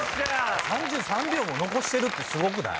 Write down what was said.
３３秒も残してるってすごくない？